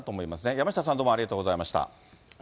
山下さん、どうもありがとうございました。